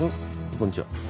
こんにちは。